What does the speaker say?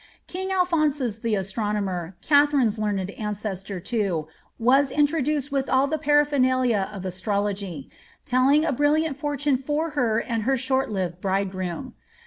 King Alphons the astronomer, Katharine's learned ancestor, too, was intrc^ueed with all the paraphernalia of astrology, telling a brilliant fortune for her and her short lived bridegroom.